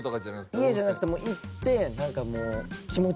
家じゃなくてもう行ってなんかもう。